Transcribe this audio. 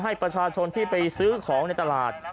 ให้ประชาชนที่ไปซื้อของในตลาด